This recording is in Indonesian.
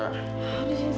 aduh disini sini biar aku aja